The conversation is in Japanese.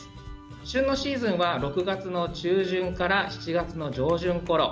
旬のシーズンは６月中旬から７月上旬ごろ。